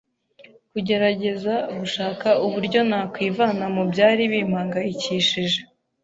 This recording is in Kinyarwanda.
kugerageza gushaka uburyo nakwivana mu byari bimpangayikishije